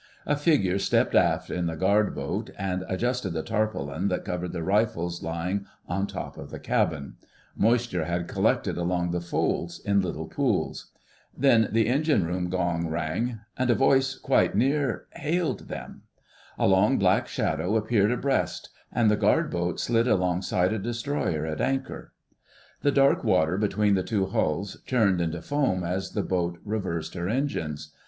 A figure stepped aft in the Guard Boat and adjusted the tarpaulin that covered the rifles lying on top of the cabin: moisture had collected among the folds in little pools. Then the engine room gong rang, and a voice quite near hailed them. A long black shadow appeared abreast, and the Guard Boat slid alongside a Destroyer at anchor. The dark water between the two hulls churned into foam as the boat reversed her engines.